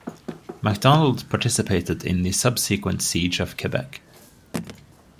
MacDonald participated in the subsequent siege of Quebec.